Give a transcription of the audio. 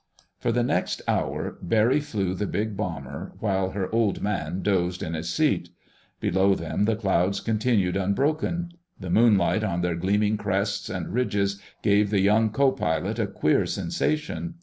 For the next hour Barry flew the big bomber, while her "Old Man" dozed in his seat. Below them the clouds continued unbroken. The moonlight on their gleaming crests and ridges gave the young co pilot a queer sensation.